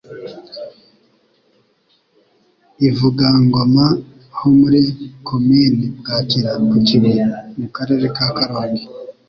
Ivugangoma ho muri Komini Bwakira ku Kibuye (Mukarere ka Karongi)